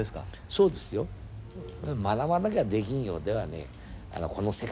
そうですよ。学ばなきゃできんようではねこの世界では生きていけない。